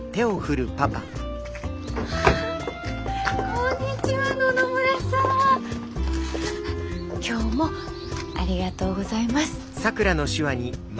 こんにちは野々村さん！今日もありがとうございます。